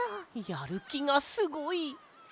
やるきがすごい。